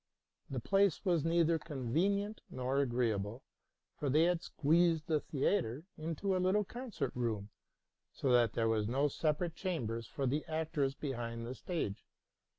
The place was neither convenient nor agreeable ; for they had squeezed the theatre into a concert room, so that there were no separate chambers for the actors behind the stage.